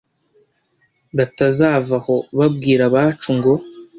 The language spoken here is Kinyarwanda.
batazavaho babwira abacu ngo